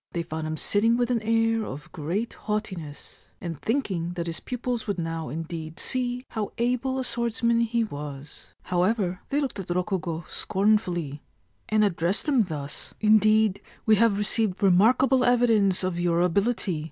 They found him sitting with an air of great haughtiness, and thinking that his pupils would now indeed see how able a swordsman he was. However, they looked at Rokugo scornfully, and addressed him thus : 315 Ancient Tales and Folklore of Japan ' Indeed, we have received remarkable evidence of your ability.